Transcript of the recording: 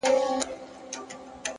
د زړه صفا د انسان ښکلا ده,